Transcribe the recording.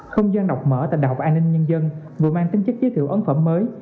không gian đọc mở tại đh an nhân nhân dân vừa mang tính chức giới thiệu ấn phẩm mới